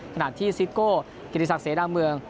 ขนาดที่ซิโก้เกรียรษักเสนางเมือง